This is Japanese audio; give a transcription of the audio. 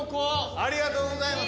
ありがとうございます。